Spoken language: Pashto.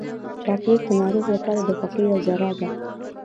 چاکلېټ د ناروغ لپاره د خوښۍ یوه ذره ده.